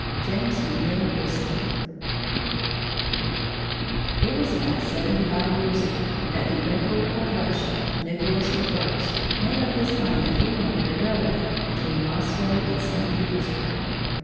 JAMES McNEILL WHISTLER It was about seventy five years ago that the Emperor of Russia, Nicolas I., made up his mind that he wanted a railroad between Moscow and St. Petersburg.